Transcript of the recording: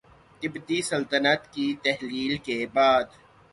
تبتی سلطنت کی تحلیل کے بعد